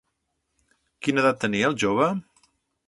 Quina edat tenia el jove?